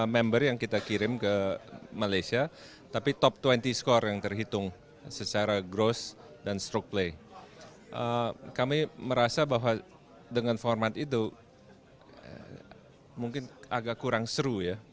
ketua igt pgm championship akan digelar pada lima tujuh september di riverside golf club cimbanggis sebogor